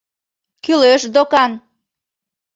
Кӱлеш докан.